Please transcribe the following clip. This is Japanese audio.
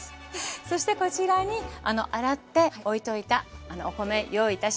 そしてこちらに洗って置いといたお米用意いたしました。